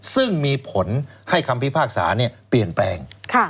ซึ่งมีผลให้คำพิพากษาเปลี่ยนแปลง